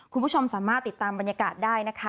คุณผู้ชมสามารถติดตามบรรยากาศได้นะคะ